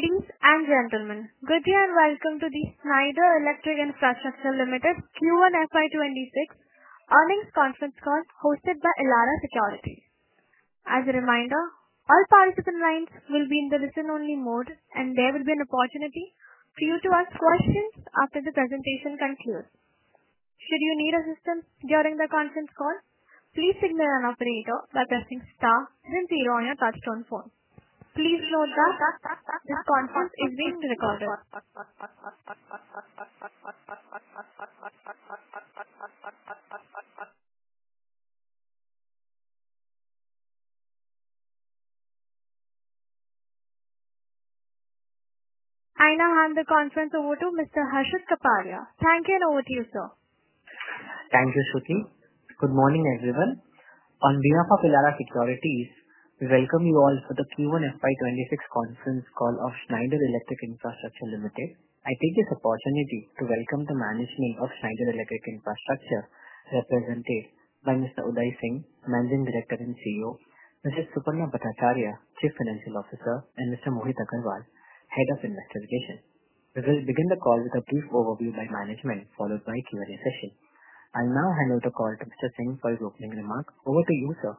Ladies and gentlemen, good year and welcome to the Schneider Electric Infrastructure Ltd. Q1 FY 2026 Earnings Conference Call hosted by Elara Securities. As a reminder, all participant lines will be in the listen-only mode, and there will be an opportunity for you to ask questions after the presentation concludes. Should you need assistance during the conference call, please signal an operator by pressing * then 0 on your touchtone phone. Please note that this conference is being recorded. I now hand the conference over to Mr. Harshit Kapadia. Thank you and over to you, sir. Thank you, Sujit. Good morning, everyone. On behalf of Elara Securities, we welcome you all for the Q1 FY 2026 conference call of Schneider Electric Infrastructure Ltd. I take this opportunity to welcome the management of Schneider Electric Infrastructure Ltd., who are presented by Mr. Udai Singh, Managing Director and CEO, Mrs. Suparna Bhattacharyya, Chief Financial Officer, and Mr. Mohit Agarwal, Head of Investor Relations. We will begin the call with a brief overview by management, followed by a Q&A session. I now hand over the call to Mr. Singh for his opening remark. Over to you, sir.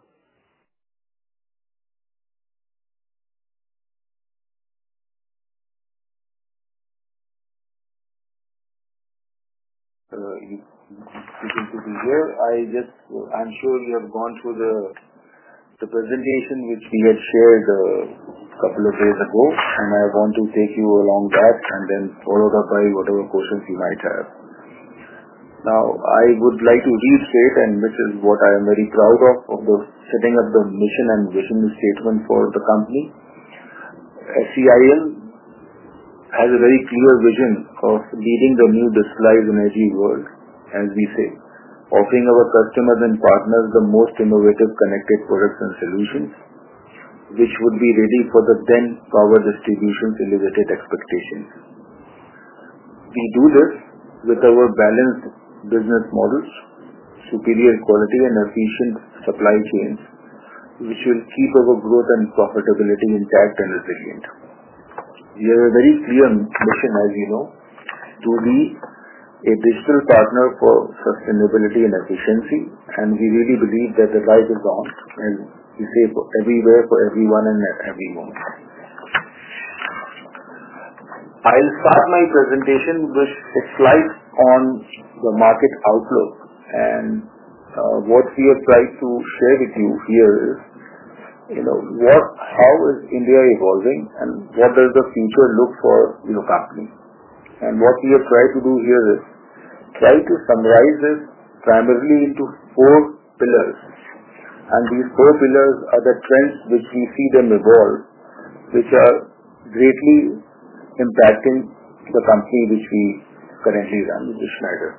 I'm sure you have gone through the presentation, which we had shared a couple of days ago, and I want to take you along that and then follow that by whatever questions you might have. Now, I would like to reiterate, and which is what I am very proud of, of the setting up the mission and vision statement for the company. SEIL has a very clear vision of leading the new digitalized energy world, as we say, offering our customers and partners the most innovative connected products and solutions, which would be ready for the then power distribution's illicit expectations. We do this with our balanced business models to create quality and efficient supply chains, which will keep our growth and profitability intact and resilient. We are very keen [in this Q1] to be a distant partner for sustainability and efficiency, and we really believe that the light is on, and we are everywhere for everyone and at every moment. I'll start my presentation with a slide on the market outlook, and what we have tried to share with you here is, you know, how is India evolving and where does the future look for this company? What we have tried to do here is try to summarize this primarily into four pillars, and these four pillars are the trends which we see them evolve, which are greatly impacting the company which we currently run, which is Schneider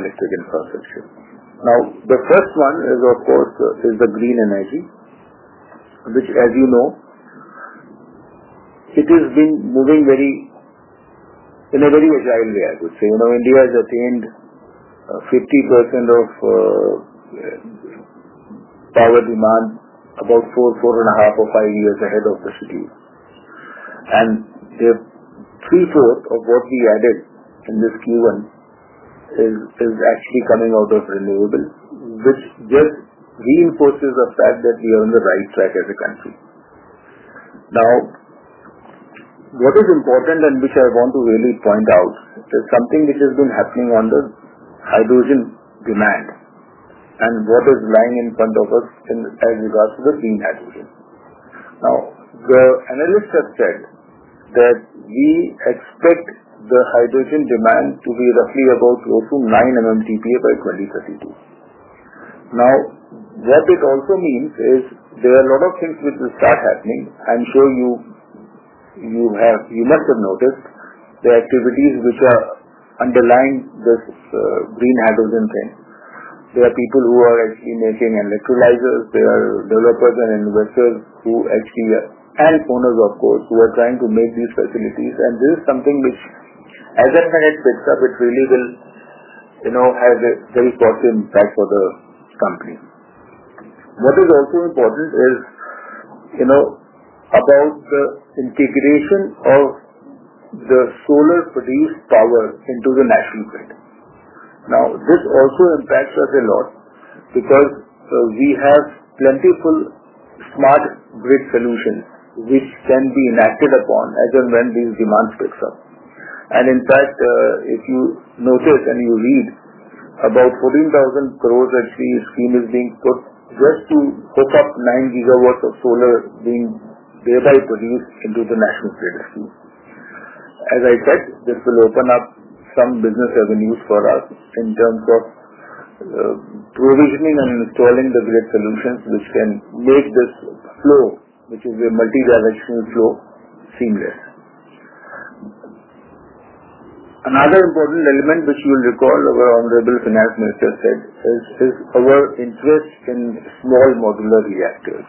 Electric Infrastructure. Now, the first one is, of course, the green energy, which, as you know, it is moving in a very agile way, I would say. India has attained 50% of power demand about four, four and a half, or five years ahead of the CPE. 3/4 of what we added in this Q1 is actually coming out of renewables, which just reinforces the fact that we are on the right track as a country. Now, what is important and which I want to really point out is something which has been happening under hydrogen demand and what is lying in front of us in regards to the clean hydrogen. The analysts have said that we expect the hydrogen demand to be roughly about close to 9 MMTP by [2032]. Now, what it also means is there are a lot of things with the stats happening. I'm sure you must have noticed the activities which are underlying this green hydrogen thing. There are people who are making electrolyzers. There are developers and investors who actually are and owners, of course, who are trying to make these facilities. This is something which, as finance picks up, it really will have a very positive impact for the company. What is also important is about the integration of the solar produced power into the national grid. This also impacts us a lot because we have plentiful smart grid solutions, which can be enacted upon as and when these demands pick up. In fact, if you notice and you read about 14,000 crore of GHG is being put just to pick up 9 GW of solar being thereby produced into the national [grid]. As I said, this will open up some business avenues for us in terms of provisioning and installing the grid solutions, which can make this flow, which is a multidirectional flow, seamless. Another important element which you will recall, our Honorable Finance Minister said, is our interest in small modular reactors.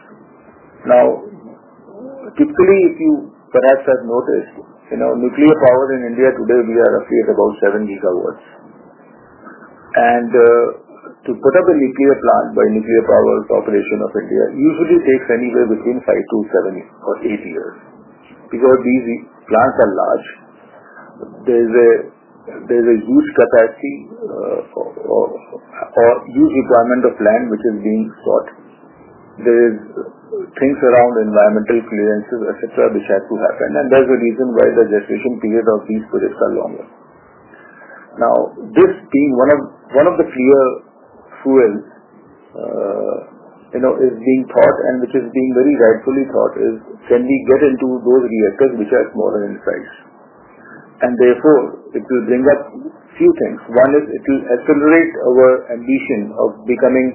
Typically, if you perhaps have noticed, nuclear power in India today, we are roughly at about 7 GW. To put up a nuclear plant by Nuclear Power Corporation of India usually takes anywhere between five to seven or eight years because these plants are large. There is a good capacity for a huge requirement of land, which is being fought. There are things around environmental clearances, etc., which have to happen. That is the reason why the decision period of these periods are longer. This team, one of the fewer fuels, is being taught, and which is being very rightfully taught, is can we get into those reactors, which have modern insights? Therefore, if you bring up a few things, one is if you accelerate our ambition of becoming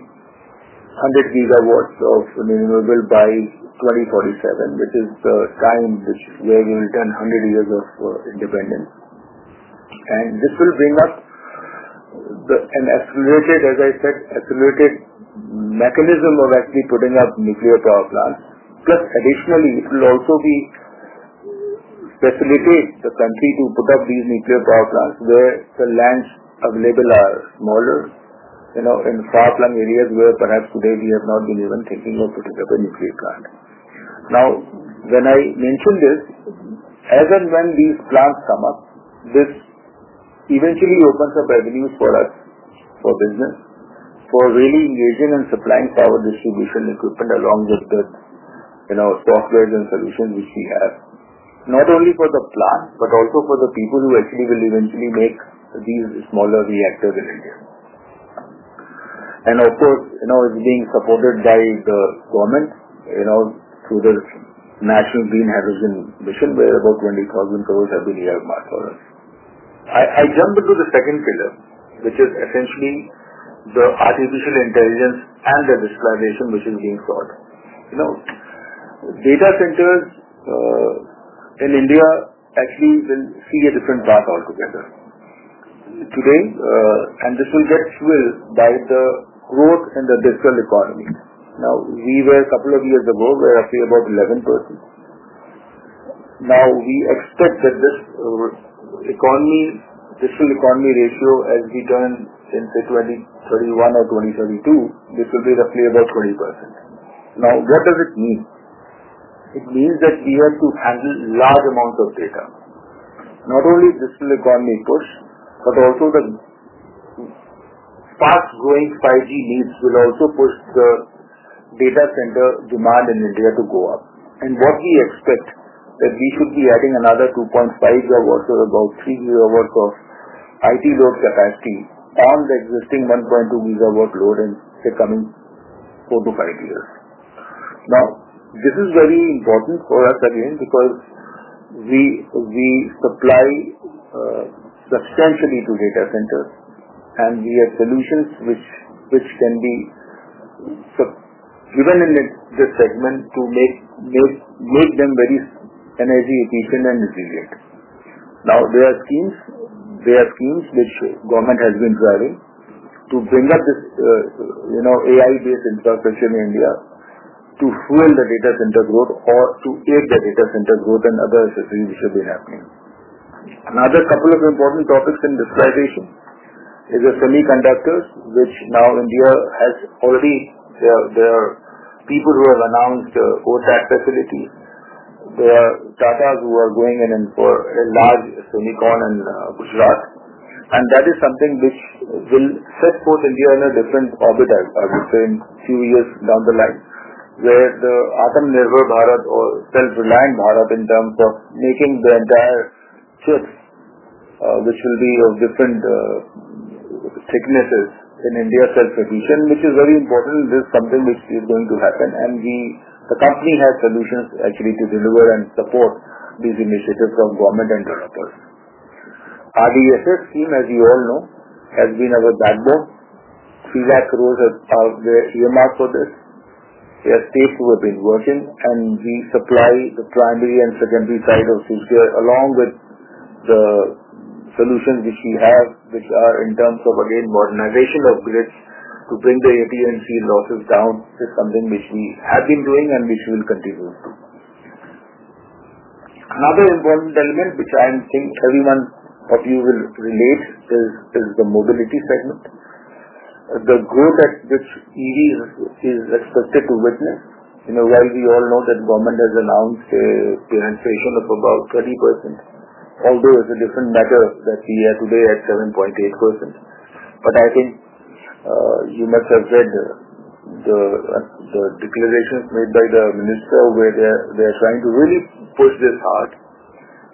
100 GW of renewable by 2047, which is the time which we are going to become 100 years of independence. This will bring up an accelerated, as I said, accelerated mechanism of actually putting up nuclear power plants. Additionally, it will also facilitate the country to put up these nuclear power plants where the lands available are smaller, in far-flung areas where perhaps today we have not been even thinking of putting up a nuclear plant. When I mention this, as and when these plants come up, this eventually opens up avenues for us, for business, for really engaging and supplying power distribution equipment along with the software and solutions which we have, not only for the plant, but also for the people who actually will eventually make these smaller reactors in India. It is being supported by the government through the maximum green hydrogen mission, where about 20,000 crore every year are marked for us. I'll jump into the second pillar, which is essentially the artificial intelligence and the digitalization mission being sought. Data centers in India actually will see a different path altogether today, and this will get fueled by the growth in the digital economy. A couple of years ago, we were roughly about 11%. Now, we expect that this economy's digital economy ratio as we turn into 2031 or 2032 will be roughly about 20%. What does it mean? It means that we have to handle large amounts of data, not only a digital economy push, but also the fast-growing 5G needs will also push the data center demand in India to go up. What we expect is that we should be adding another 2.5 GW or about 3 GW of IT load capacity on the existing 1.2 GW load in the coming four to five years. This is very important for us, again, because we supply substantially to data centers, and we have permissions which can be given in that segment to make them very energy efficient and resilient. There are things which the government has been trying to bring up, this AI-based infrastructure in India to fuel the data center growth or to aid the data center growth and other associations which have been happening. Another couple of important topics in digitalization is the semiconductors, which now India has already, there are people who have announced a four-pack facility. There are start-ups who are going in for a large semicon in Gujarat, and that is something which will set both India in a different orbit, I would say, in a few years down the line. There is the Atmanirbhar Bharat or Self-Reliant Bharat in terms of making the entire trip, which will be of different thicknesses in India's self-production, which is very important. This is something which is going to happen, and the company has solutions actually to deliver and support these initiatives from government and developers. RVSS team, as you all know, has been our backbone. Sri Lanka, who was our EMR for this, we have staff who have been working, and we supply the primary and secondary sides of Fuji, along with the solutions which we have, which are in terms of, again, modernization of grids to bring the APNC losses down. This is something which we have been doing and which we will continue. Another important element which I think everyone of you will relate to is the mobility segment. The growth that EVs is expected to witness, you know, where we all know that the government has announced a penetration of about 30%. There is a different matter that we are today at 7.8%. I think you must have read the declarations made by the minister where they are trying to really push this hard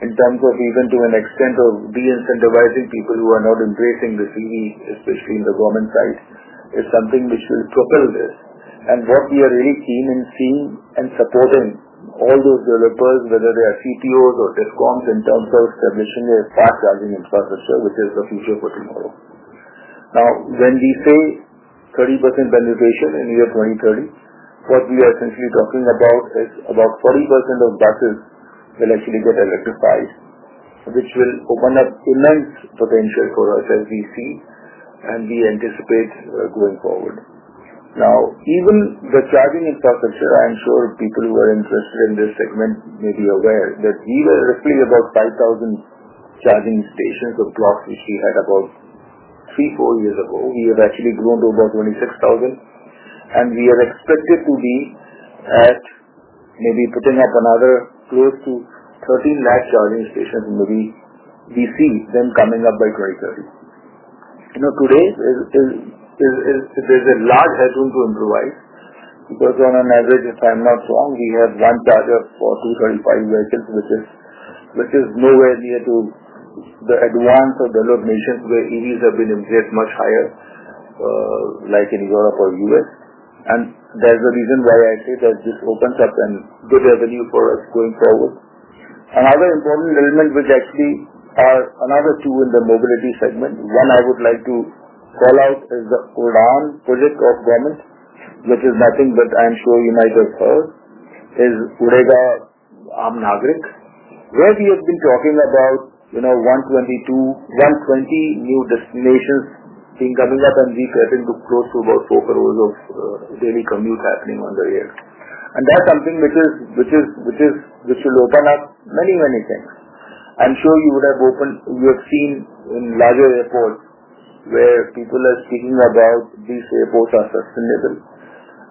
in terms of even to an extent of deincentivizing people who are not embracing the EV, especially in the government side. It's something which will propel this. What we are really keen in seeing and supporting is all those developers, whether they are CTOs or DISCOMs, in terms of establishing a fast charging infrastructure, which is the future for tomorrow. Now, when we say 30% penetration and we are going 30, what we are essentially talking about is about 40% of buses will actually get electrified, which will open up immense potential for us as we see and we anticipate going forward. Now, even the charging infrastructure, I'm sure people who are interested in this segment may be aware that we were roughly about 5,000 charging stations or blocks which we had about three, four years ago. We have actually grown to about 26,000, and we are expected to be at maybe picking up another close to 13 large charging stations in the EC, then coming up by criteria. You know, today there is a large headroom to improvise, but then on average, if I'm not wrong, we have one charger for 235 vehicles, which is nowhere near to the advance of developed nations where EVs have been employed much higher, like in Europe or the U.S. There is a reason why I say that this opens up a good avenue for us going forward. Another important element, which actually is another two in the mobility segment, one I would like to tell out is the [Ulaan Project of Bemin], which is nothing, but I'm sure you might have heard, is [Urega Am Nagrik], where we have been talking about, you know, 122 new destinations in Kalinga, Ganji, fetching close to about 4 crore of daily commutes happening on the [year]. That's something which will open up many, many things. I'm sure you have seen in larger airports where people are speaking about these airports are sustainable.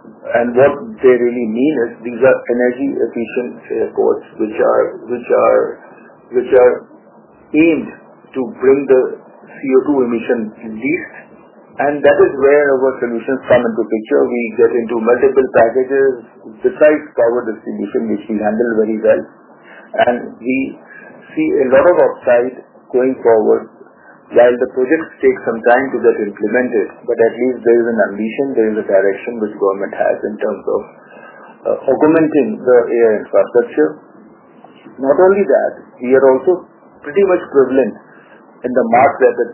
What they really mean is these are energy-efficient airports, which are aimed to bring the CO2 emission at least. That is where our commissions come into picture. We get into multiple packages, just like power distribution, which we handle very well. We see a lot of upside going forward. While the projects take some time to get implemented, at least there is an ambition. There is a direction which government has in terms of augmenting the air infrastructure. Not only that, we are also pretty much prevalent in the mass rapid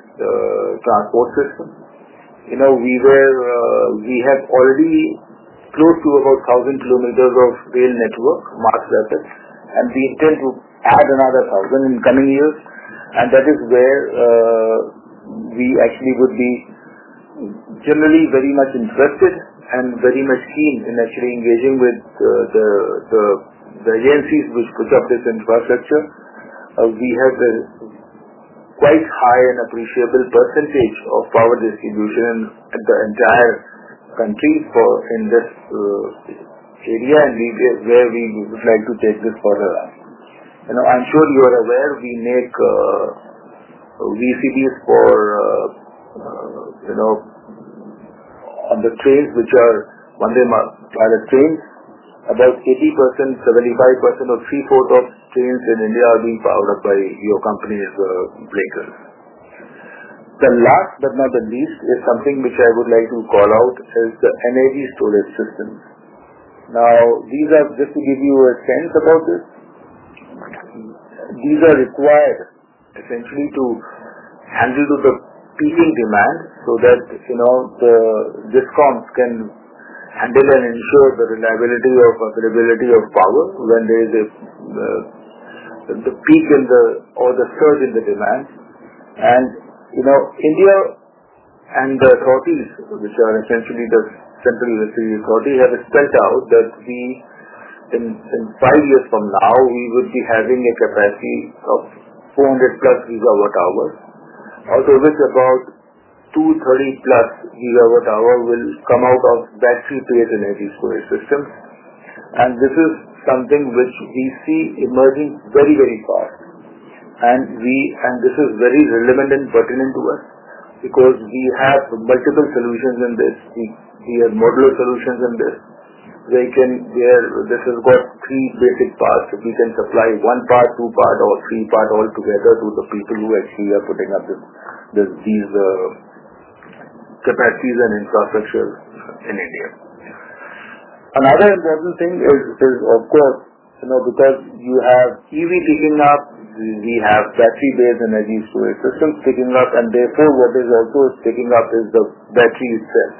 transport system. We have already close to about 1,000 km of rail network, mass rapid, and we intend to add another 1,000 km in the coming years. That is where we actually would be generally very much interested and very much keen in actually engaging with the agencies which put up this infrastructure. We have a quite high and appreciable percentage of power distribution in the entire country for this area, and we would like to take this further up. I'm sure you are aware, we see this for, you know, on the trains, which are one-day pilot trains, about 80%, 75% or 3/4 of trains in India are being powered up by our companies' vehicles. Last but not the least is something which I would like to call out, the energy storage systems. Just to give you a sense about this, these are required essentially to handle the peaking demand so that the discoms can handle and ensure the reliability of availability of power when there is a peak or the surge in the demand. India and the countries, which are essentially the central industry countries, have it spelled out that we, in five years from now, would be having a capacity of 400+ GWh, out of which about 230+ GWh will come out of battery-based energy storage systems. This is something which we see emerging very, very fast. This is very relevant and pertinent to us because we have multiple solutions in this. We have modular solutions in this. This is about three basic parts. We can supply one part, two parts, or three parts altogether to the people who actually are putting up with these capacities and infrastructure in India. Another important thing is, of course, you know, because you have EV picking up, we have battery-based energy storage systems picking up, and therefore, what is also picking up is the battery itself.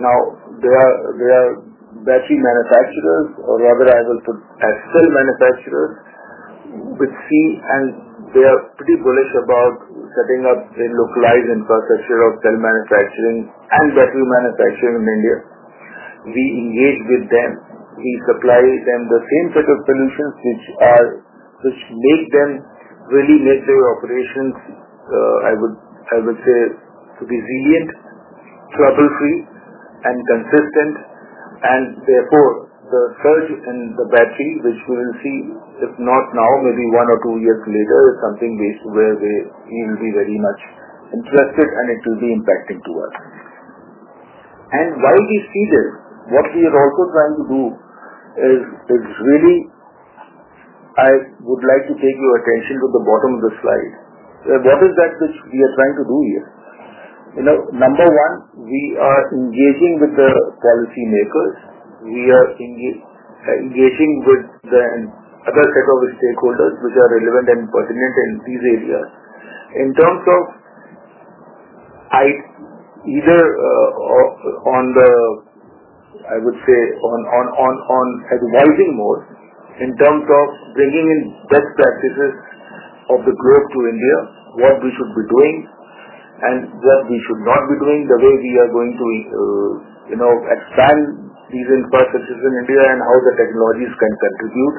Now, there are battery manufacturers, or rather, I will put as cell manufacturers, which see, and they are pretty bullish about setting up a localized infrastructure of cell manufacturing and battery manufacturing in India. We engage with them. We supply them the same set of solutions which make them really make their operations, I would say, to be resilient, trouble-free, and consistent. Therefore, the surge in the battery, which we will see, if not now, maybe one or two years later, is something where we will be very much interested, and it will be impacting to us. While we see this, what we are also trying to do is, I would like to take your attention to the bottom of the slide. What is that we are trying to do here? Number one, we are engaging with the policymakers. We are engaging with the other set of stakeholders which are relevant and pertinent. In this area in terms of either, I would say, on advising mode in terms of bringing in best practices of the growth to India, what we should be doing and what we should not be doing, the way we are going to expand these infrastructures in India and how the technologies can contribute.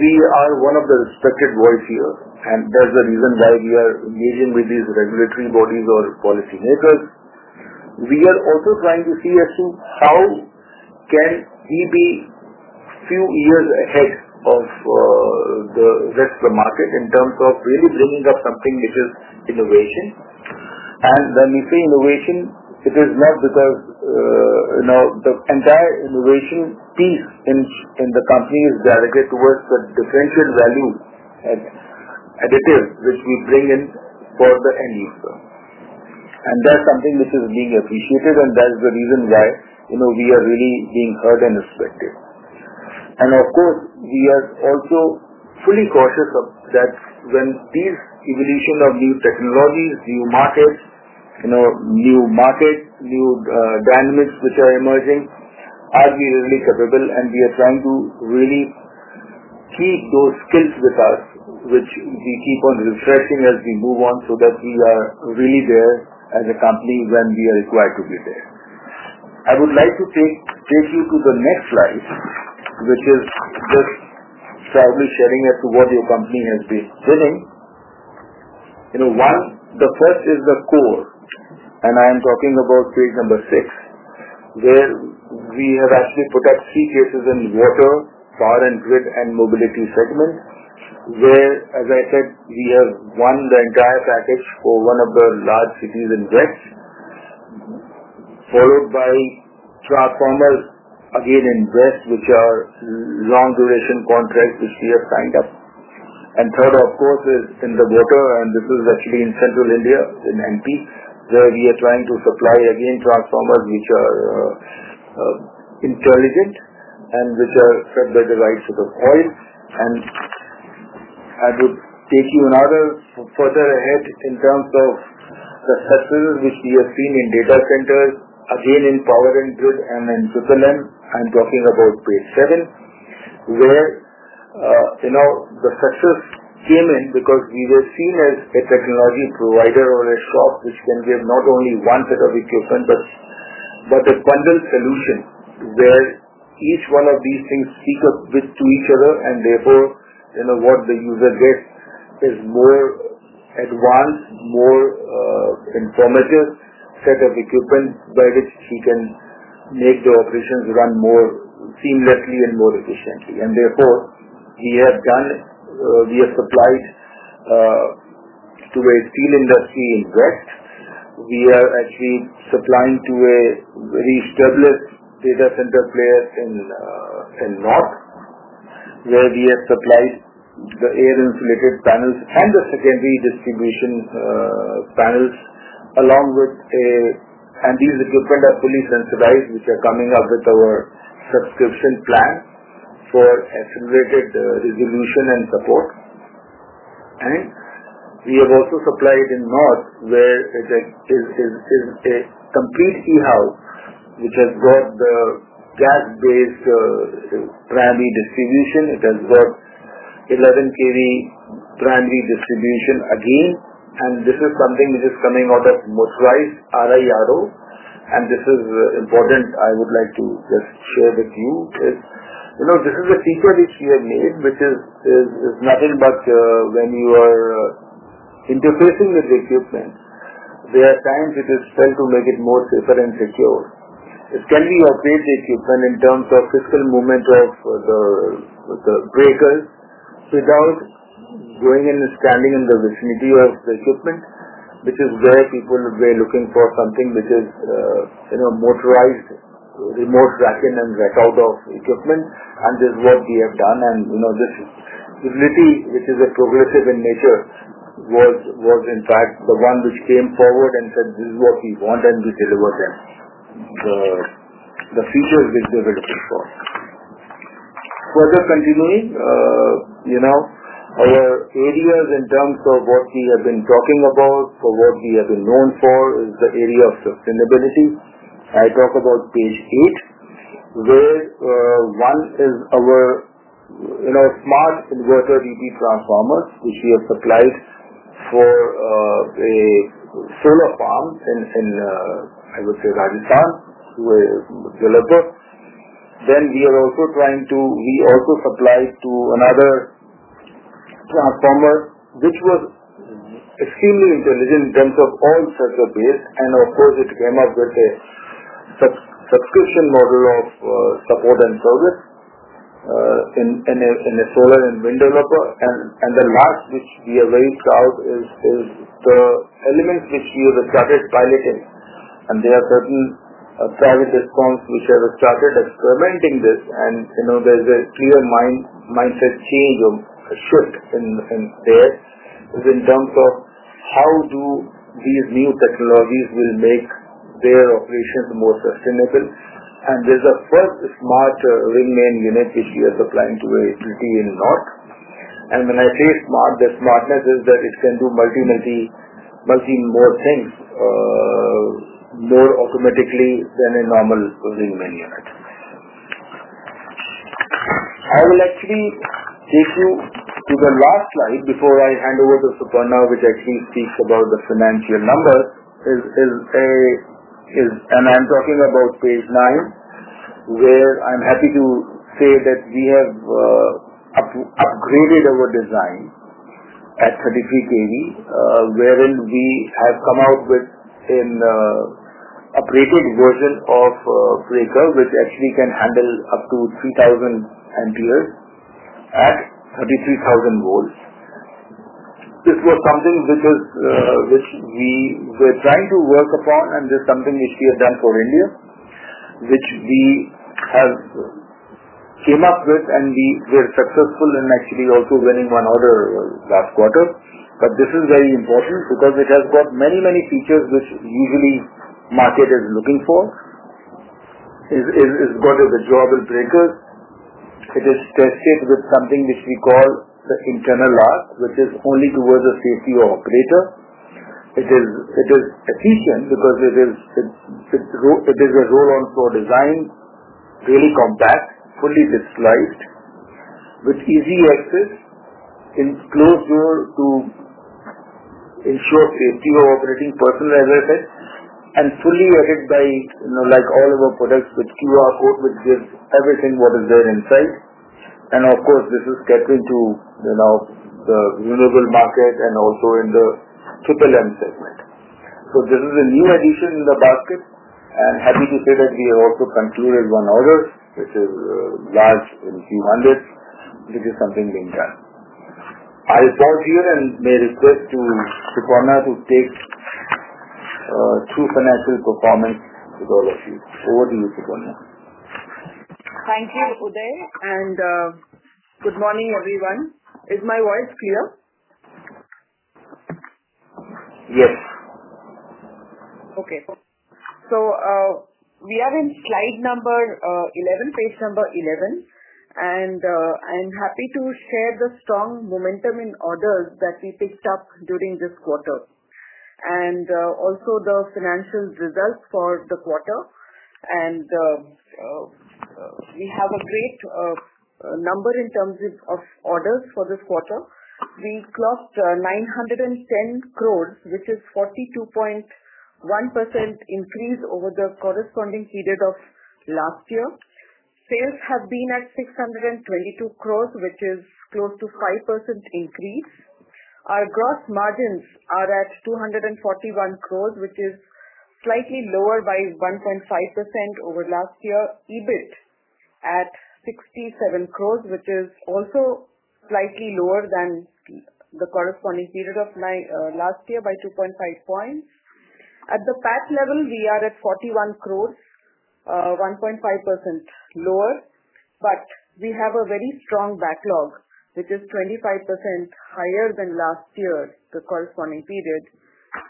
We are one of the respected voices here, and that's the reason why we are engaging with these regulatory bodies or policy motors. We are also trying to see as to how can we be a few years ahead of the rest of the market in terms of really bringing up something which is innovation. When we say innovation, it is not because the entire innovation piece in the company is delegated towards the differentiated values and additives which we bring in for the end user. That's something which is being appreciated, and that's the reason why we are really being heard and respected. Of course, we are also fully conscious of that when these evolutions of new technologies, new markets, new dynamics which are emerging, are we really capable? We are trying to really keep those skills with us, which we keep on refreshing as we move on so that we are really there as a company when we are required to be there. I would like to take you to the next slide, which is just sharing as to what our company has been doing. The first is the core, and I am talking about phase number six, where we have actually put up CPS in the auto, power, and grid and mobility segment, where, as I said, we have won the entire package for one of the large cities in Brest, followed by transformers again in Brest, which are long-duration contracts which we have signed up. Third, of course, is in the water, and this is actually in central India, in Nanki, where we are trying to supply again transformers which are [rigid] and which are fed by the right set of oil. I would take you another further ahead in terms of the successes which we have seen in data centers, again in power and good and manufacturing. I'm talking about page seven, where the success came in because we were seen as a technology provider or a shop which can give not only one set of equipment but a bundled solution where each one of these things speak a bit to each other. Therefore, what the user gets is a more advanced, more informative set of equipment by which he can make the operations run more seamlessly and more efficiently. We have supplied to a steel industry in Brest. We are actually supplying to a very established data center player in [north], where we have supplied the air insulated panels and the secondary distribution panels along with equipment that are fully sensitized, which are coming up with our subscription plan for accelerated resolution and support. We have also supplied in [north], where it is a complete steel house, which has got the gas-based primary distribution. It has got 11 kV primary distribution again. This is something which is coming out of Motivair, [RIRO]. This is important. I would like to just share with you, this is a secret which we have made, which is nothing but, when you are interfacing with the equipment, there are times it is felt to make it more safer and secure. It can be operated, the equipment, in terms of physical movement of the breakers without going and standing in the vicinity of the equipment, which is where people would be looking for something which is motorized remote vacuum and vac out of equipment. This is what we have done. This is really, which is progressive in nature, was in fact the one which came forward and said, "This is what we want," and we delivered them. The feature of this development form. Further continuing, our areas in terms of what we have been talking about for what we have been known for is the area of sustainability. I talk about page two, where one is our smart inverter EV transformers, which we have supplied for a solar farm in, I would say, Rajasthan, where it's relevant. We are also trying to, we also supply to another transformer, which was extremely intelligent in terms of all sets of data. Of course, it came up with a subscription model of support and service in a solar and wind developer. The last, which we are very proud of, is the elements which we were started piloting. There are certain private discounts which are started experimenting with. There is a clear mindset change of a shift in terms of how these new technologies will make their operations more sustainable. There is a first smart windmill unit which we are supplying to a city in March. When I say smart, the smartness is that it can do multi, multi, multi more things, more automatically than a normal windmill unit. I will actually take you to the last slide before I hand over to Suparna, which actually speaks about the financial numbers. I am talking about page nine, where I'm happy to say that we have upgraded our design at 33 kV, wherein we have come out with a braided version of a breaker, which actually can handle up to 3,000 A, 33,000 V. This was something which we were trying to work upon, and this is something which we have done for India, which we have came up with and we were successful in actually also winning one order last quarter. This is very important because it has got many features which usually the market is looking for. It's got a withdrawable breaker. It is stretched with something which we call the internal lock, which is only towards the safety of the operator. It is efficient because it is a roll-on floor design, really compact, fully visualized, which is easy to access. It's closed door to ensure safety of operating personnel, as I said, and fully guided by, like all of our products, with QR code, which gives everything what is there inside. This is getting to, you know, the renewables market and also in the MMM segment. This is a new addition in the market. I'm happy to say that we are also concluding one order, which is large in a few hundreds, which is something being done. I'll pause here and may request Suparna to take to financial performance with all of you. Over to you, Suparna. Thank you, Udai. Good morning, everyone. Is my voice clear? Yes. Okay. We are in slide number 11, page number 11. I'm happy to share the strong momentum in orders that we picked up during this quarter and also the financial results for the quarter. We have a great number in terms of orders for this quarter. We've closed 910 crore, which is a 42.1% increase over the corresponding period of last year. Sales have been at 622 crore, which is close to a 5% increase. Our gross margins are at 241 crore, which is slightly lower by 1.5% over last year. EBIT at 67 crore, which is also slightly lower than the corresponding period of last year by 2.5%. At the PAT level, we are at 41 crore, 1.5% lower. We have a very strong backlog, which is 25% higher than last year, the corresponding period,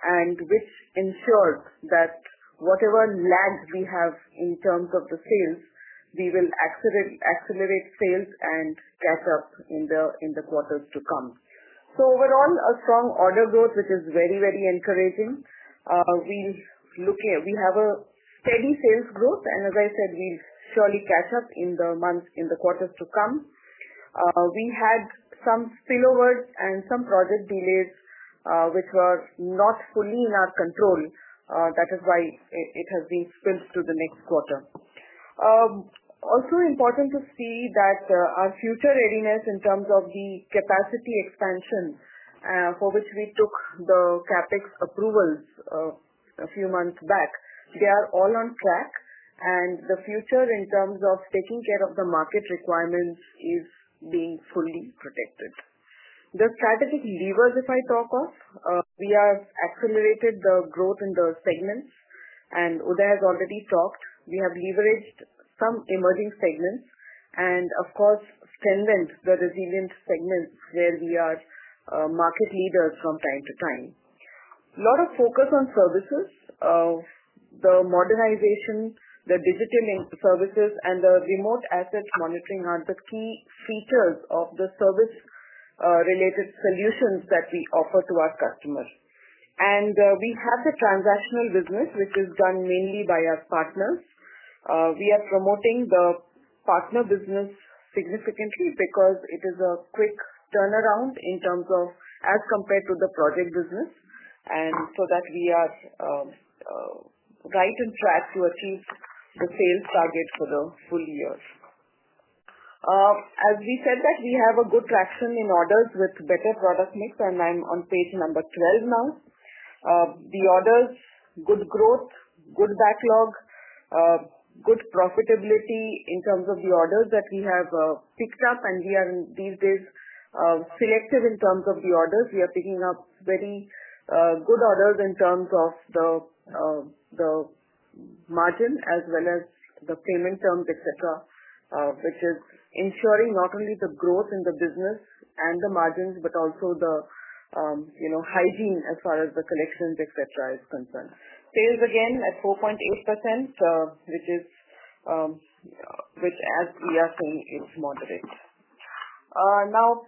and which ensures that whatever lags we have in terms of the sales, we will accelerate sales and catch up in the quarters to come. Overall, a strong order growth, which is very, very encouraging. We're looking at a steady sales growth. As I said, we'll surely catch up in the months and the quarters to come. We had some spillovers and some project delays, which were not fully in our control. That is why it has been spilling through the next quarter. Also important to see that our future readiness in terms of the capacity expansion, for which we took the CapEx approvals a few months back, they are all on track. The future in terms of taking care of the market requirements is being fully protected. The strategic levers, if I talk of, we have accelerated the growth in those segments. Udai has already talked. We have leveraged some emerging segments and, of course, strengthened the resilience segments where we are market leaders from time to time. A lot of focus on services, the modernization, the digital services, and the remote assets monitoring are the key features of the service-related solutions that we offer to our customers. We have the transactional business, which is done mainly by our partners. We are promoting the partner business significantly because it is a quick turnaround as compared to the project business. We are right on track to achieve the sales target for the full year. As we said, we have a good traction in orders with better product mix, and I'm on page number 12 now. The orders, good growth, good backlog, good profitability in terms of the orders that we have picked up. We are in these days selective in terms of the orders. We are picking up very good orders in terms of the margins as well as the payment terms, etc., which is ensuring not only the growth in the business and the margins, but also the hygiene as far as the connections, etc., is concerned. Sales again at 4.8%, which as we are saying is moderate. Now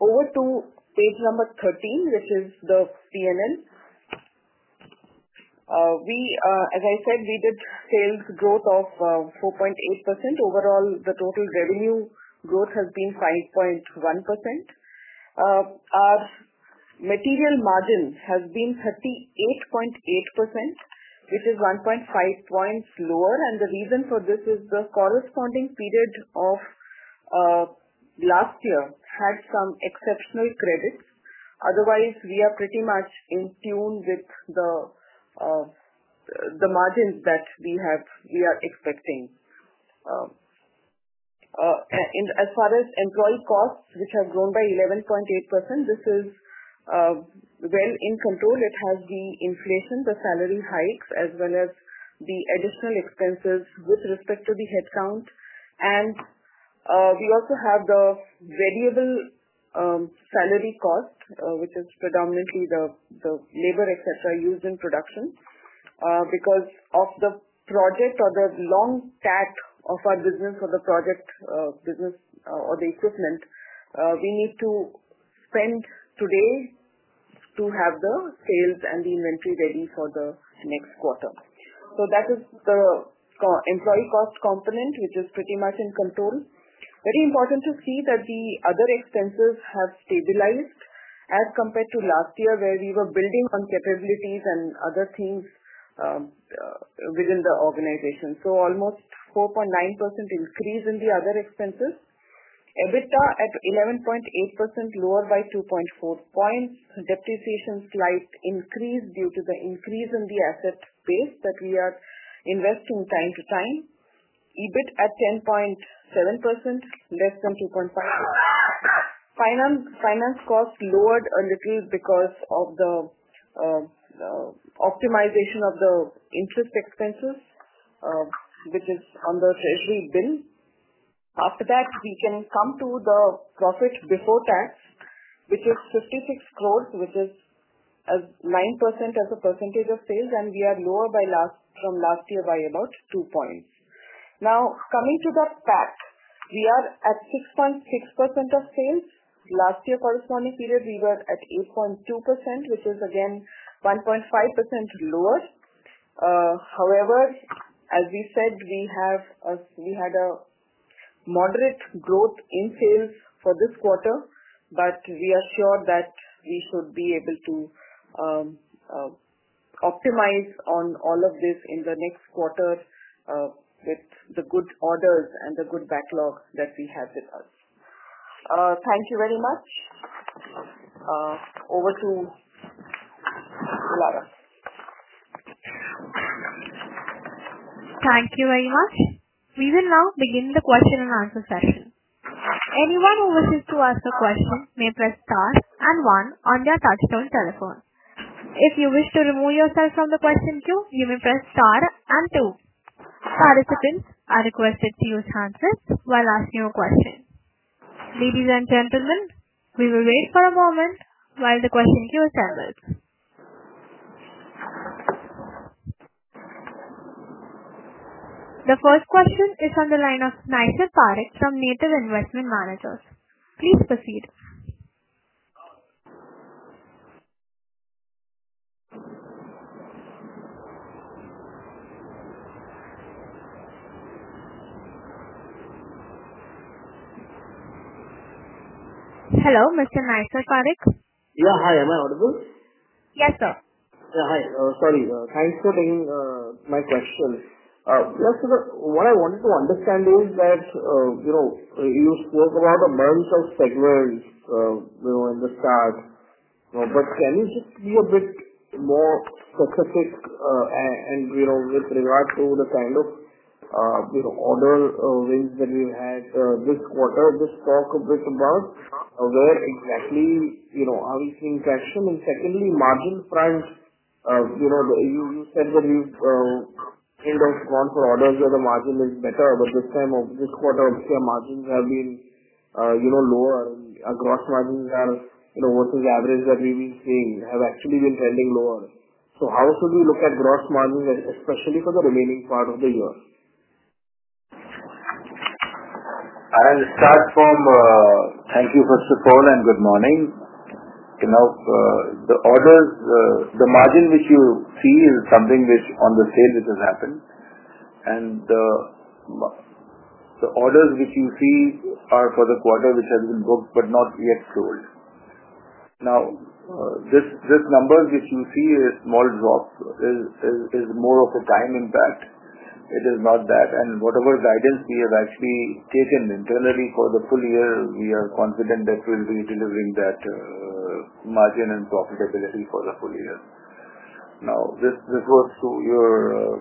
over to page number 13, which is the CNN. As I said, we did sales growth of 4.8%. Overall, the total revenue growth has been 5.1%. Our material margins have been 38.8%, which is 1.5 points lower. The reason for this is the corresponding period of last year had some exceptional credits. Otherwise, we are pretty much in tune with the margins that we are expecting. In as far as employee costs, which have grown by 11.8%, this is well in control. It has the inflation, the salary hikes, as well as the additional expenses with respect to the headcount. We also have the variable salary costs, which is predominantly the labor, etc., used in production. Because of the project or the long path of our business for the project business or the equipment, we need to spend today to have the sales and the inventory ready for the next quarter. That is the employee cost component, which is pretty much in control. It is very important to see that the other expenses have stabilized as compared to last year, where we were building on capabilities and other things within the organization. Almost 4.9% increase in the other expenses. EBITDA at 11.8% lower by 2.4 points. Depreciation slight increase due to the increase in the asset base that we are investing time to time. EBIT at 10.7% less than 2.5 points. Finance costs lowered a little because of the optimization of the interest expenses, which is on the treasury bill. After that, we can come to the profits before tax, which is 56 crore, which is at 9% as a percentage of sales, and we are lower from last year by about 2 points. Now, coming to the PAT, we are at 6.6% of sales. Last year's corresponding period, we were at 8.2%, which is again 1.5% lower. However, as we said, we had a moderate growth in sales for this quarter, but we are sure that we should be able to optimize on all of this in the next quarter, with the good orders and the good backlog that we have with us. Thank you very much. Over to Elara. Thank you very much. We will now begin the question and answer session. Anyone who wishes to ask a question may press star and one on their touchstone telephone. If you wish to remove yourself from the question queue, you may press star and two. Participants are requested to use handsets while asking a question. Ladies and gentlemen, we will wait for a moment while the question queue assembles. The first question is on the line of [Nikesh Parikh] from Native Investment Managers. Please proceed. Hello, Mr. [Nikesh Parikh]? Hi. Am I audible? Yes, sir. Yeah, hi. Sorry. Thanks for taking my question. What I wanted to understand is that, you know, you spoke about a bunch of segments, you know, in the chat. Can you just be a bit more specific, and, you know, with regard to the kind of, you know, order ways that we've had this quarter, just talk a bit about where exactly, you know, are we seeing traction? Secondly, margin price, you know, you said that we've kind of gone for orders where the margin is better, but this time of this quarter, the margins have been, you know, lower. Our gross margins are, you know, versus the average that we've been seeing, have actually been trending lower. How often do you look at gross margins, especially for the remaining part of the year? I'll start. Thank you, Mr. [Cole], and good morning. You know, the orders, the margin which you see is something which on the sale which has happened. The orders which you see are for the quarter which has been booked but not yet sold. Now, this number which you see is a small drop. It is more of a time impact. It is not that. Whatever guidance we have actually taken internally for the full year, we are confident that we'll be delivering that, margin and profitability for the full year. Now, just to go through your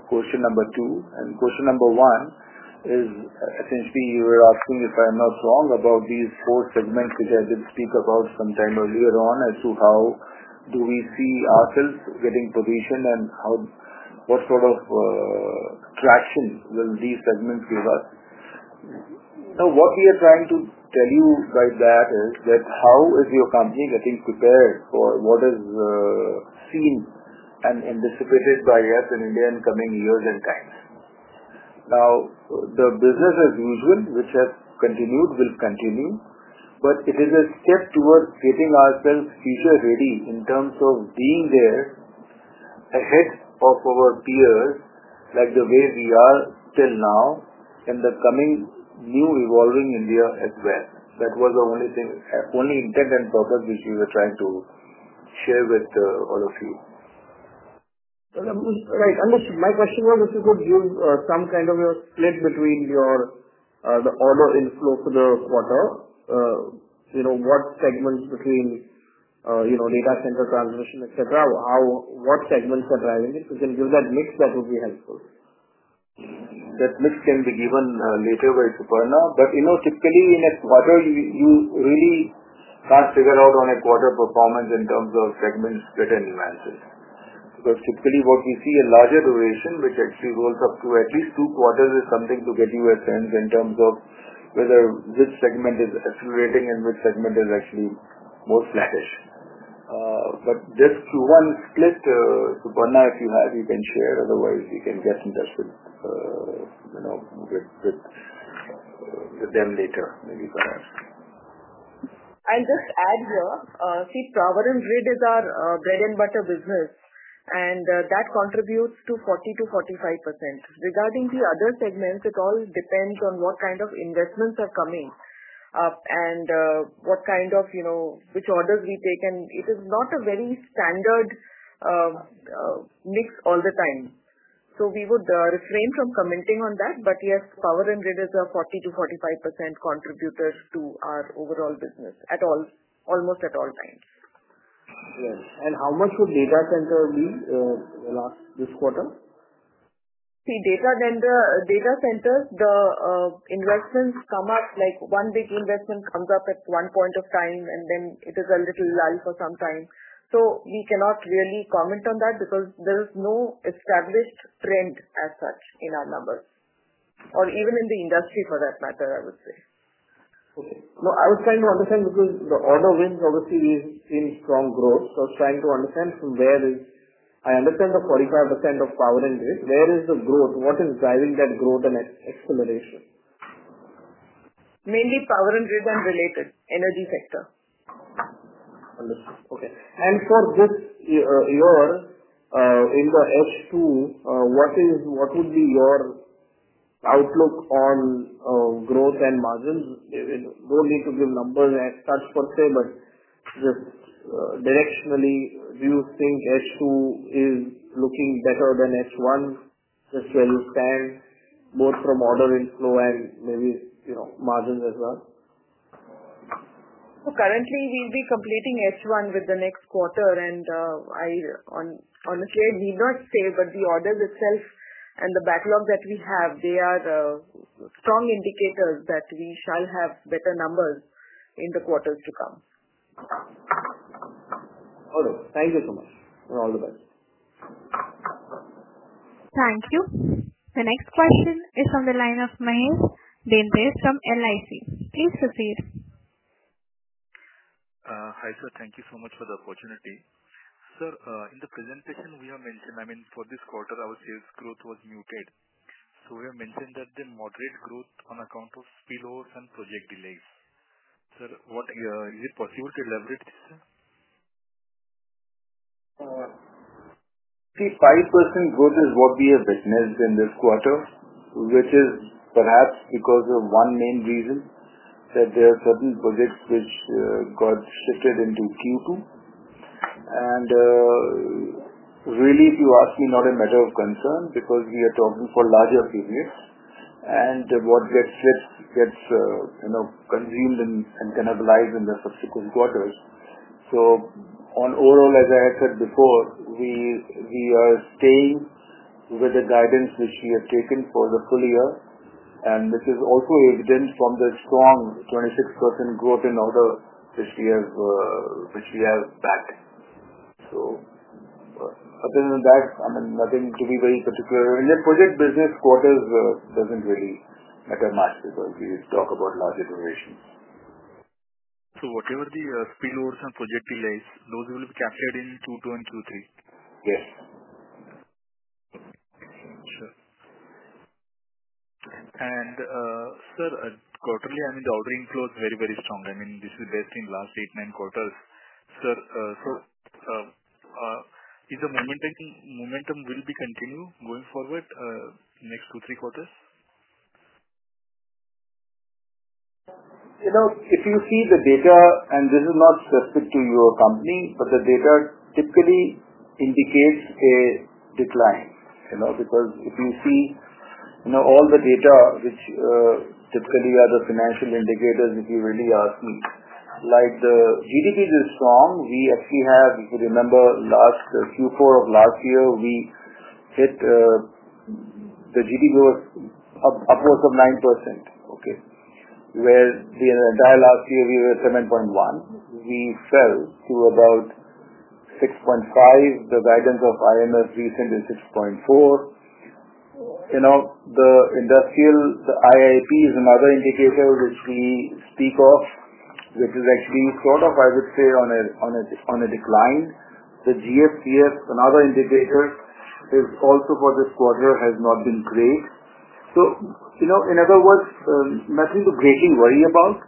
question number two. Question number one is, essentially, you were asking if I'm not wrong about these four segments which I did speak about some time earlier on as to how do we see ourselves getting positioned and what sort of traction will these segments give us. What we are trying to tell you by that is that how is your company getting prepared or what is seen and anticipated by us in India in the coming years and times? The business as usual, which has continued, will continue. It is a step towards getting ourselves future-ready in terms of being there ahead of our peers like the way we are till now in the coming new evolving India as well. That was the only thing, only intent and purpose which we were trying to share with all of you. Right. Understood. My question was if you could give some kind of a split between your order inflow for the quarter, you know, what segments between, you know, data center, transmission, etc., what segments are driving it. If you can give that mix, that would be helpful. That mix can be given later by Suparna. Typically, in a quarter, you really can't figure out on a quarter performance in terms of segments get enhances. Typically, what we see in larger duration, which actually rolls up to at least two quarters, is something to get you a sense in terms of whether which segment is accelerating and which segment is actually more sluggish. Just through one split, Suparna, if you have, you can share. Otherwise, you can get interested with them later, maybe fast. I'll just add here, see, power and grid is our bread and butter business, and that contributes to 40%-45%. Regarding the other segments, it all depends on what kind of investments are coming, and what kind of, you know, which orders we take. It is not a very standard mix all the time. We would refrain from commenting on that. Yes, power and grid is a 40%-45% contributor to our overall business at almost all times. How much would data center be, last this quarter? See, data centers, the investments come up like one big investment comes up at one point of time, and then it is a little lull for some time. We cannot really comment on that because there is no established trend as such in our numbers or even in the industry for that matter, I would say. I was trying to understand because the order wins, obviously, is seeing strong growth. I was trying to understand from where is I understand the 45% of power and grid. Where is the growth? What is driving that growth and acceleration? Mainly power and grid and related energy sector. Understood. Okay. For just your, in the S2, what is your outlook on growth and margins? No need to give numbers as such per se, but just directionally, do you think S2 is looking better than S1 just where you stand, both from order inflow and maybe, you know, margins as well? We will be completing S1 with the next quarter. I honestly need not say, but the orders itself and the order backlog that we have are strong indicators that we shall have better numbers in the quarters to come. Awesome. Thank you so much. Wishing you all the best. Thank you. The next question is on the line of Mahesh Bendre from LIC. Please proceed. Hi, sir. Thank you so much for the opportunity. Sir, in the presentation, we have mentioned, I mean, for this quarter, I would say growth was muted. We have mentioned the moderate growth on account of spillovers and project delays. Sir, is it possible to elaborate? See, 5% growth is what we have witnessed in this quarter, which is perhaps because of one main reason, that there are certain projects which got shifted into Q2. Really, if you ask me, not a matter of concern because we are talking for a larger period. What gets shifted gets consumed and cannibalized in the subsequent quarter. Overall, as I had said before, we are staying with the guidance which we have taken for the full year. This is also evidenced from the strong 26% growth in other fiscal years, which we have backed. Other than that, nothing to be very particular. The project business quarters doesn't really matter much because we talk about larger durations. Whatever the spillovers and project delays, those will be captured in Q2 and Q3? Yes. Sir, quarterly, I mean, the order inflow is very, very strong. I mean, this is the best in the last eight, nine quarters. Sir, will the momentum be continued going forward, next two, three quarters? If you see the data, and this is not specific to your company, but the data typically indicates a decline. If you see all the data, which typically are the financial indicators, if you really ask me, like the GDP is strong. We actually have, if you remember, last Q4 of last year, we hit, the GDP was upwards of 9%. Where the entire last year, we were at 7.1%. We fell to about 6.5%. The guidance of IMF recently is 6.4%. The industrial IAP is another indicator which we speak of, which is actually sort of, I would say, on a decline. The GFCF, another indicator, is also for this quarter, has not been great. In other words, nothing to greatly worry about.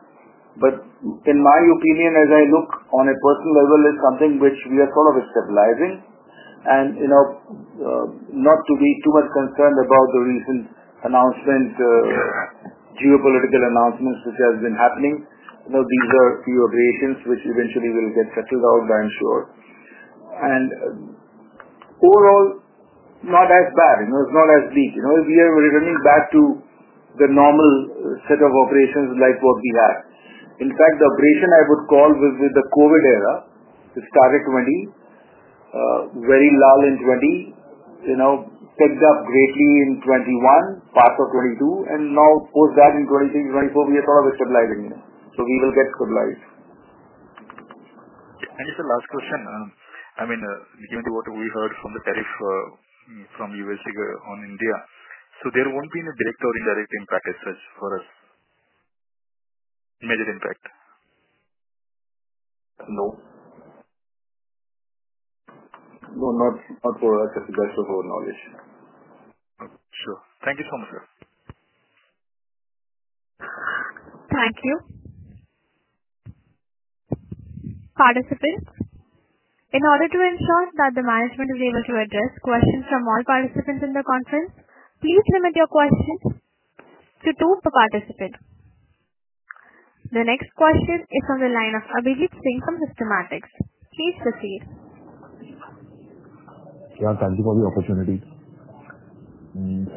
In my opinion, as I look on a personal level, it's something which we are sort of stabilizing. Not to be too much concerned about the recent geopolitical announcements which have been happening. These are a few of the agents which eventually will get settled out, I'm sure. Overall, not as bad. It's not as bleak. We are returning back to the normal set of operations like what we had. In fact, the operation I would call with the COVID era, historic ready, very lull and ready, picked up briefly in 2021, part of 2022, and now post that in 2023, 2024, we are sort of stabilizing it. We will get good life. Just a last question. Given what we heard from the tariff from the U.S. on India, there won't be any direct or indirect impact for us? Major impact? No, not for us, best of our knowledge. Sure. Thank you so much, sir. Thank you. Participants, in order to ensure that the management is able to address questions from all participants in the conference, please limit your questions to two per participant. The next question is on the line of Abhijit Deshmukh from Systematics. Please proceed. Yeah, thank you for the opportunity.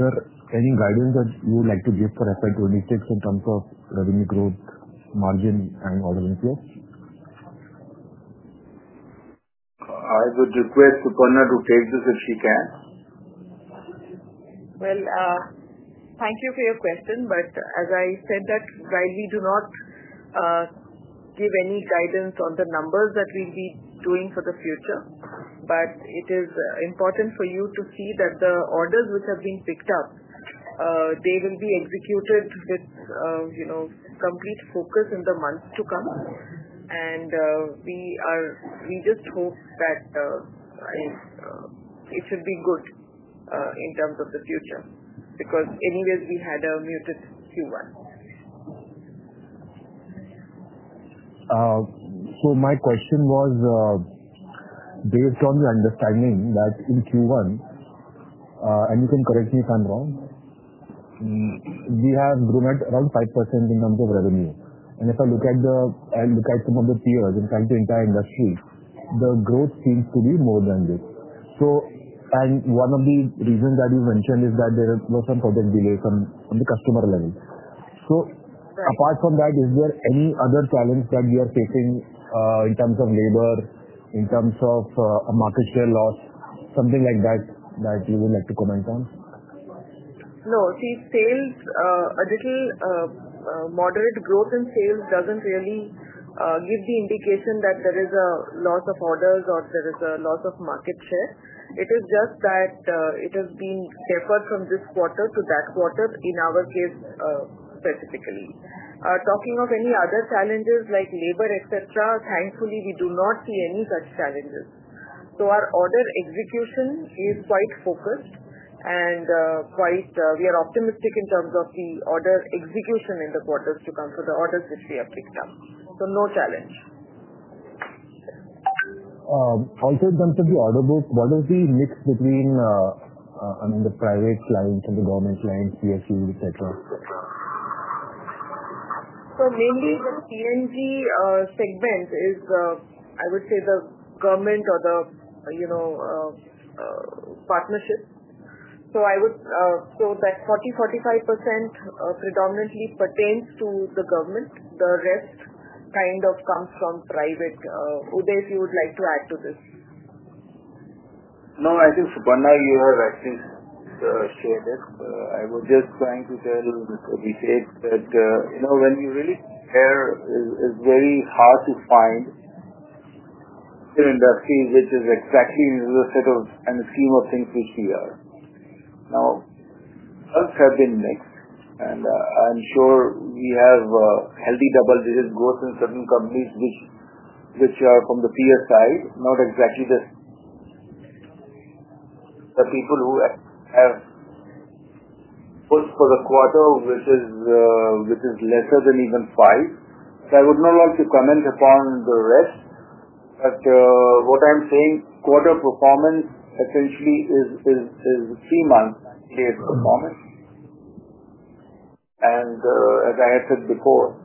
Sir, any guidance that you would like to give for FY 2025 in terms of revenue growth, margin, and order inflow? I would request Suparna to take this if she can. Thank you for your question. As I said, that's why we do not give any guidance on the numbers that we'll be doing for the future. It is important for you to see that the orders which are being picked up will be executed with complete focus in the months to come. We just hope that it should be good in terms of the future because anyways, we had a muted. My question was, based on the understanding that in Q1, and you can correct me if I'm wrong, we have grew at around 5% in terms of revenue. If I look at some of the peers, in fact, the entire industry, the growth seems to be more than this. One of the reasons that you mentioned is that there were some product delays on the customer level. Apart from that, is there any other challenge that you are facing, in terms of labor, in terms of a market share loss, something like that that you would like to comment on? No. See, a little, moderate growth in sales doesn't really give the indication that there is a loss of orders or there is a loss of market share. It is just that it has been differed from this quarter to that quarter, in our case, specifically. Talking of any other challenges like labor, etc., thankfully, we do not see any such challenges. Our order execution is quite focused and we are optimistic in terms of the order execution in the quarters to come for the orders which we have picked up. No challenge. Out of them, to be audible, what is the mix between, I mean, the private client and the government client, CSU, etc.? Mainly the CNG segment is, I would say, the government or the partnerships. I would say that 40%-45% predominantly pertains to the government. The rest kind of comes from private. Udai, if you would like to add to this. No, I think Suparna, you have actually shared it. I was just trying to tell you the details that, you know, when you really care, it's very hard to find an industry which is exactly the sort of and the scheme of things which we are. Now, I'll try to mix. I'm sure we have a healthy double-digit growth in certain companies which are from the peer side, not exactly the people who have pushed for the quarter, which is lesser than even 5%. I would not want to comment upon the rest. What I'm saying, quarter performance essentially is three months' performance. As I had said before,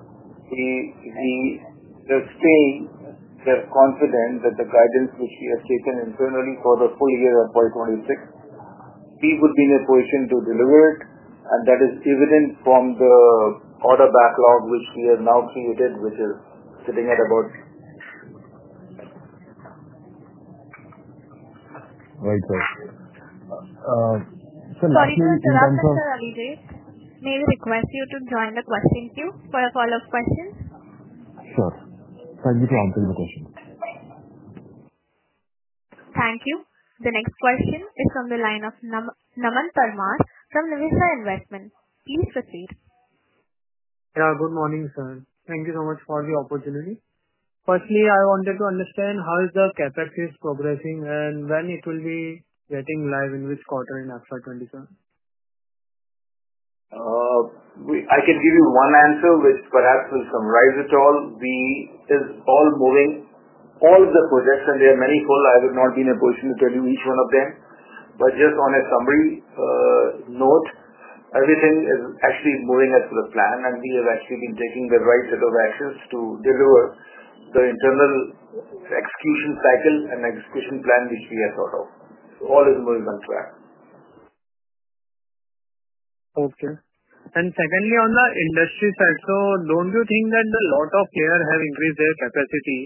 we are staying confident that the guidance which we have taken internally for the full year of 2026, we would be in a position to deliver it. That is evident from the order backlog which we have now created, which is sitting at about. Right, so. Sorry to interrupt, Mr. Abhijit. May we request you to join the question queue for a follow-up question? Sure, thank you for answering the question. Thank you. The next question is from the line of Naman Parmar from Niveshaay Investment. Please proceed. Good morning, sir. Thank you so much for the opportunity. Firstly, I wanted to understand how the CapEx is progressing and when it will be getting live in which quarter in FY 2027? I can give you one answer, which perhaps will summarize it all. It is all moving. All of the projects, and there are many calls, I would not be in a position to tell you each one of them. Just on a summary note, everything is actually moving as to the plan, and we have actually been taking the right set of actions to deliver the internal execution cycle and execution plan which we have thought of. All is moving on track. Okay. Secondly, on the industry sector, don't you think that a lot of players have increased their capacity?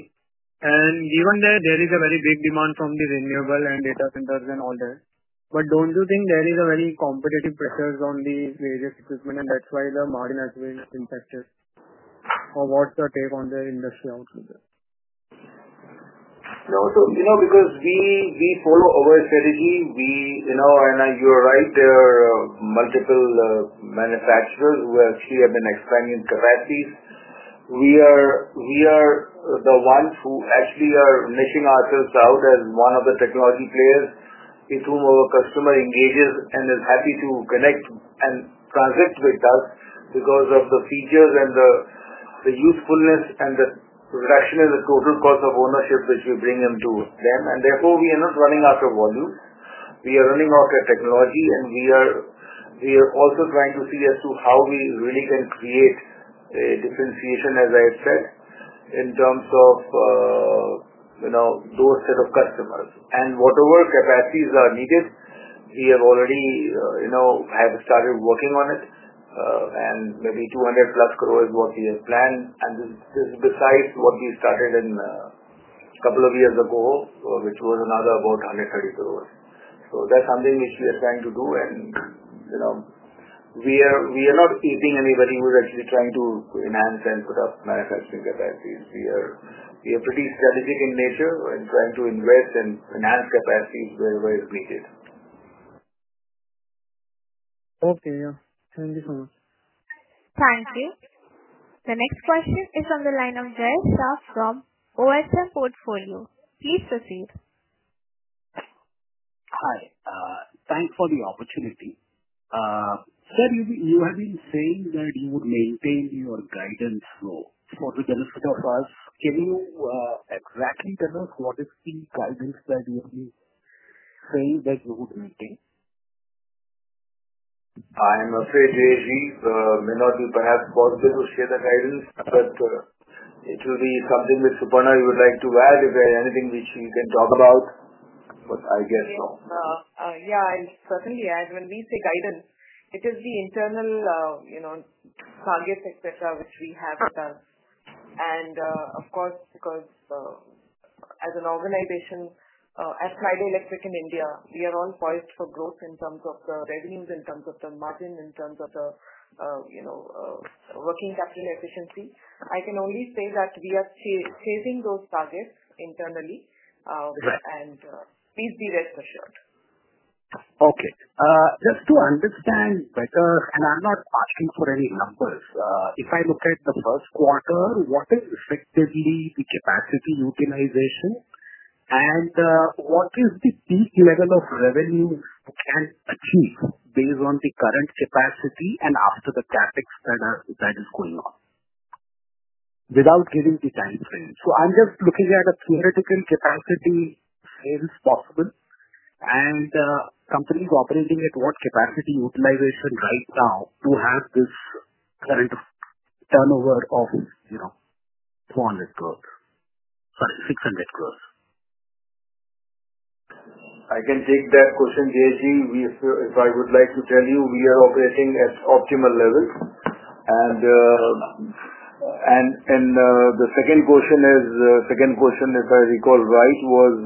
Given that there is a very big demand from the renewables and data centers and all that, don't you think there is a very competitive pressure on the various equipment and that's why the margin has been infested? What's your take on the industry outcome? No, because we follow our strategy. You're right, there are multiple manufacturers who have seen and expanded strategies. We are the ones who actually are niching ourselves out as one of the technology players with whom our customer engages and is happy to connect and transact with us because of the features and the usefulness and the fraction of the total cost of ownership which we bring into them. Therefore, we are not running after volume. We are running after technology, and we are also trying to see as to how we really can create a differentiation, as I had said, in terms of those set of customers. Whatever capacities are needed, we have already started working on it, and maybe 200+ crore is what we have planned. This is besides what we started in a couple of years ago, which was another about 130 crore. That's something which we are trying to do. We are not keeping anybody who is actually trying to announce and put up manifesting capacities. We are pretty strategic in nature and trying to invest in finance capacities wherever is needed. Okay, yeah. Thank you so much. Thank you. The next question is on the line of [Jayeshi Shah from OHM Portfolio]. Please proceed. Hi, thanks for the opportunity. Sir, you have been saying that you would maintain your guidance flow for the genesis of us. Can you exactly tell us what is the guidance that you have been saying that you would maintain? I am not sure, [Jayeshi]. May not be perhaps possible to share the guidance, but it will be something which, Suparna, you would like to add if there's anything we should get talked about. I guess no. Yeah, certainly. When we say guidance, it is the internal, you know, targets, etc., which we have at us. Of course, because, as an organization, at Schneider Electric in India, we are all poised for growth in terms of the revenues, in terms of the margin, in terms of the, you know, working capital efficiency. I can only say that we are chasing those targets internally, and please be rest assured. Okay, just to understand better, and I'm not asking for any numbers. If I look at the first quarter, what is effectively the capacity utilization? What is the peak level of revenue we can achieve based on the current capacity and after the CapEx that is going on without giving the timeframe? I'm just looking at a theoretical capacity sales possible. Companies operating at what capacity utilization right now to have this current turnover of, you know, 200 crore? Sorry, 600 crore. I can take that question, [Jayeshi]. If I would like to tell you, we are operating at optimal levels. The second question is, if I recall right, was,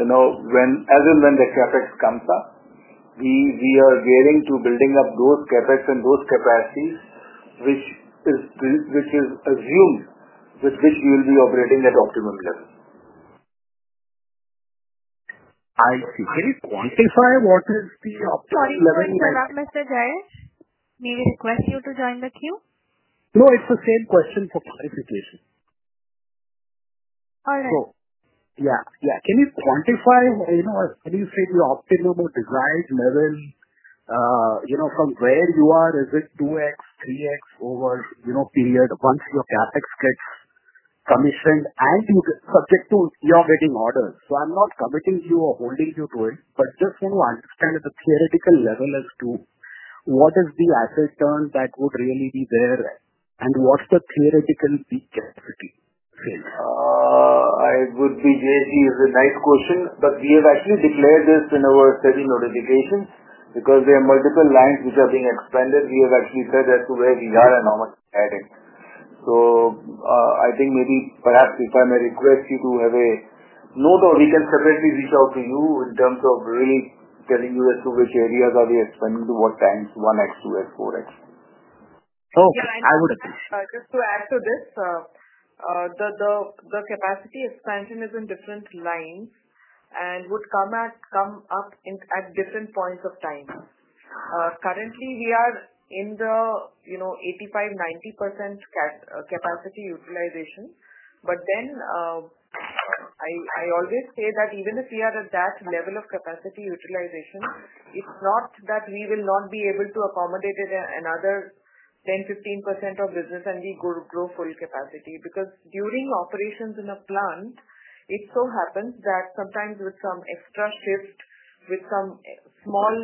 you know, when as and when the CapEx comes up, we are getting to building up those CapEx and those capacities, which is assumed with which we will be operating at optimum levels. I see. Can you quantify what is the optimum level? Sorry to interrupt, Mr. [Jayeshi]. May we request you to join the queue? No, it's the same question for clarification. All right. Can you quantify, you know, as you said, your optimum or desired level, you know, from where you are? Is it 2x, 3x over, you know, period once the CapEx gets commissioned? You are getting orders. I'm not committing to you or holding you to it, but just want to understand at the theoretical level as to what is the asset term that would really be there and what's the theoretical feature? I would say, [Jayeshi], it's a nice question. We have actually declared this in our telling notification because there are multiple lines which are being expanded. We have actually said as to where we are and how much we can add. I think perhaps if I may request you to have a note, or we can surface this out to you in terms of really telling you as to which areas are we expanding to what times, 1x, 2x, 4x. Oh, I would. Just to add to this, the capacity expansion is in different lines and would come up at different points of time. Currently, we are in the, you know, 85%, 90% capacity utilization. I always say that even if we are at that level of capacity utilization, it's not that we will not be able to accommodate another 10%, 15% of business and we grow full capacity. Because during operations in a plant, it so happens that sometimes with some extra shifts, with some small.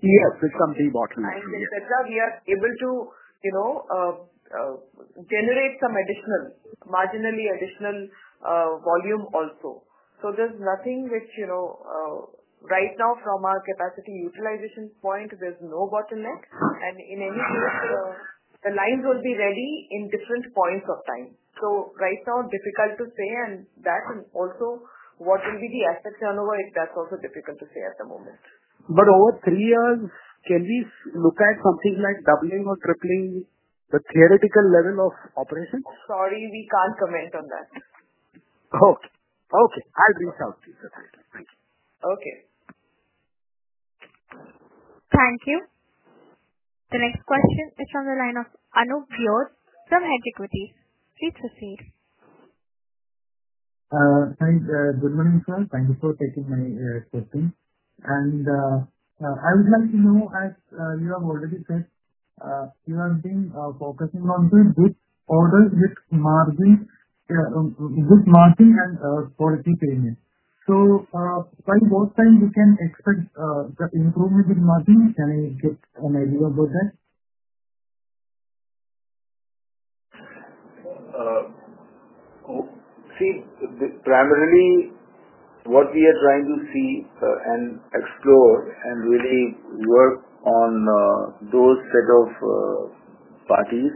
Yes, with some de-bottlenecking. We are able to, you know, generate some marginally additional volume also. There's nothing which, you know, right now from our capacity utilization point, there's no bottleneck. In any case, the lines will be ready at different points of time. Right now, difficult to say, and also what will be the asset turnover. That's also difficult to say at the moment. Over three years, can we look at something like doubling or tripling the theoretical level of operations? Sorry, we can't comment on that. Okay. I'll bring some pieces later. Thank you. Okay. Thank you. The next question is from the line of [Anoop] from Hedge Equities. Please proceed. Good morning, sir. Thank you for taking my statement. I would like to know, as you have already said, we have been focusing on two good orders, good margins, good margin, and quality payment. By what time can we expect the improvement with margins? Can I give a project? See, primarily, what we are trying to see, explore, and really work on are those set of parties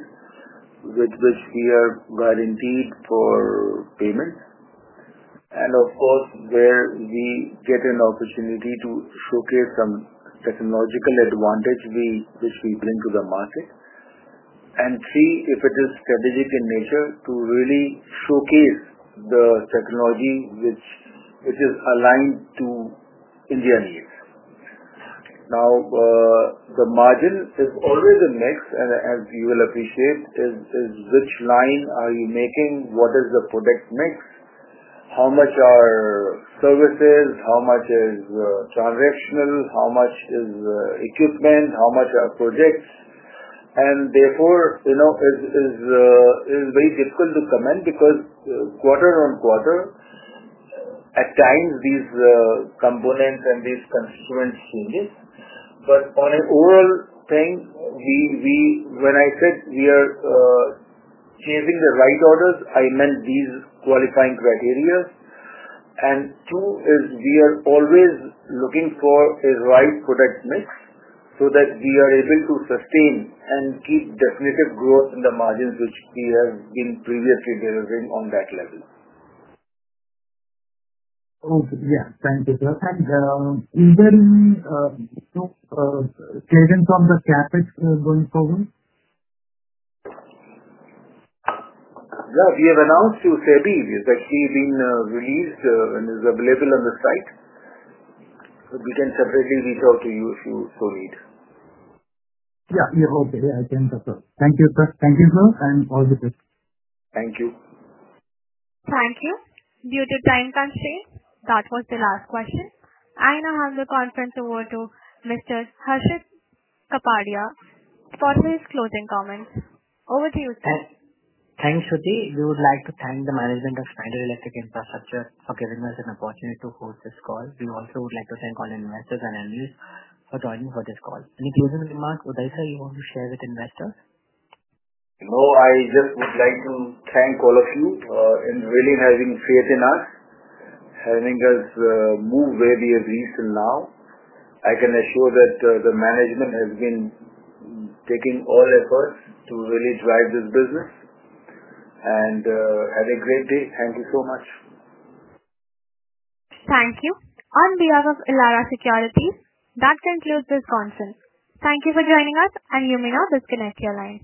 which we are guaranteed for payment. Of course, there we get an opportunity to showcase some technological advantage which we bring to the market and see if it is strategic in nature to really showcase the technology which is aligned to Indian needs. Now, the margin is always the next, and as you will appreciate, it is which line are you making? What is the product next? How much are services? How much is transactional? How much is equipment? How much are projects? Therefore, it is very difficult to comment because quarter on quarter, at times, these components and these constraints change. On an overall thing, when I said we are chasing the right orders, I meant these qualifying criteria. Two is we are always looking for a right product mix so that we are able to sustain and keep definitive growth in the margins which we have been previously delivering on that level. Okay. Thank you. Is there any new cadence on the CapEx going forward? We have announced through SEBI that we've been released, and it is available on the site. We can separately reach out to you if you need. Yeah, okay. I can [prefer it]. Thank you, sir. Thank you, sir, and all the best. Thank you. Thank you. Due to time constraints, that was the last question. I now hand the conference over to Mr. Harsit Kapadia for his closing comments. Over to you, sir. Thanks, Shruti. We would like to thank the management of Schneider Electric Infrastructure for giving us an opportunity to host this call. We also would like to thank all the investors and attendees for joining for this call. Any closing remarks, Udai, that you want to share with investors? No, I just would like to thank all of you in really having faith in us, having us move where we have reached now. I can assure that the management has been taking all efforts to really drive this business. Have a great day. Thank you so much. Thank you. On behalf of Elara Securities, that concludes this conference. Thank you for joining us, and you may now disconnect your lines.